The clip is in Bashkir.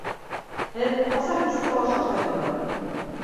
Һеҙ ҡасан киске аш ашайһығыҙ?